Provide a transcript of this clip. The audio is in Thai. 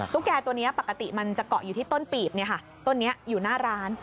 ตุ๊กแกะตัวนี้ปกติเกาะอยู่ที่ต้นปีบโต่นนี้อยู่หน้าร้าน